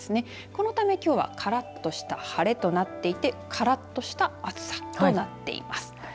このため、きょうはからっとした晴れとなっていてからっとした暑さとなっています。